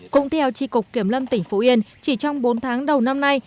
cũng theo tri cục kiểm lâm tỉnh phú yên chỉ trong bốn tháng đầu năm nay